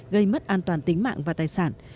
gây mất an toàn tính mạng và tài sản